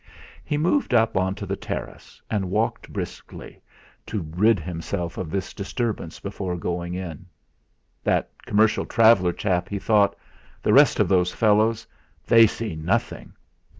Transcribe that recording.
He moved up on to the terrace and walked briskly, to rid himself of this disturbance before going in. 'That commercial traveller chap,' he thought, 'the rest of those fellows they see nothing!'